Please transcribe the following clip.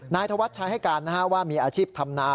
นายธวัชชัยให้การว่ามีอาชีพทำนา